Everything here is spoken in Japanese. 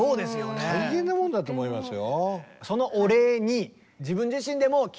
大変なものだと思いますよ。